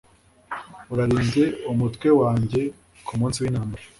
urarinde umutwe wanjye ku munsi w'intambara